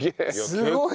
すごい。